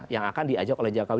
yang akan diajak oleh jokowi